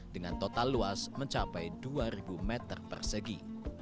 dengan total luas mencapai dua meter persegi